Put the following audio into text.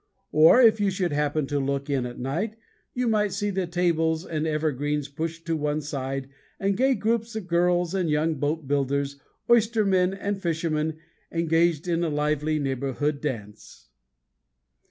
Or, if you should happen to look in at night, you might see the tables and evergreens pushed to one side and gay groups of girls and young boat builders, oystermen, and fishermen engaged in a lively neighborhood dance.